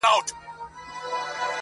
توبې راڅخه تښته چي موسم دی د ګلونو!!